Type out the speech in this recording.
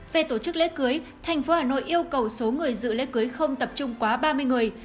về tổ chức lễ cưới thành phố hà nội yêu cầu số người dự lễ cưới không tập trung quá ba mươi người